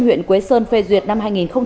huyện quế sơn phê duyệt năm hai nghìn một mươi